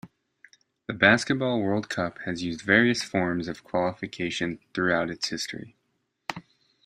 The Basketball World Cup has used various forms of qualification throughout its history.